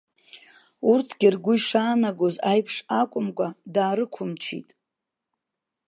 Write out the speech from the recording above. Урҭгьы ргәы ишаанагоз аиԥш акәымкәа даарықәымчит.